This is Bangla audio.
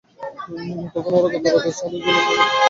তখনো ওরা গতরাতে দেখা ছাদে ঝুলে থাকা ফাঁদ নিয়ে ঠাট্টা-মশকরা করছিল।